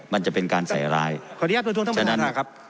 มันจะเป็นการใส่ร้ายฉะนั้น